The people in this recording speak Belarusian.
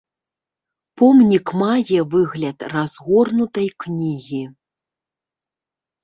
Помнік мае выгляд разгорнутай кнігі.